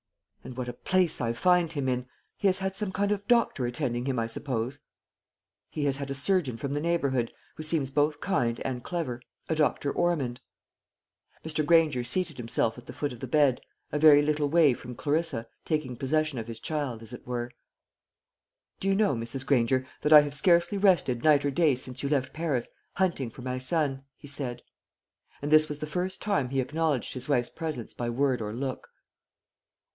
"And what a place I find him in! He has had some kind of doctor attending him, I suppose?" "He has had a surgeon from the neighbourhood, who seems both kind and clever, and Dr. Ormond." Mr. Granger seated himself at the foot of the bed, a very little way from Clarissa, taking possession of his child, as it were. "Do you know, Mrs. Granger, that I have scarcely rested night or day since you left Paris, hunting for my son?" he said. And this was the first time he acknowledged his wife's presence by word or look.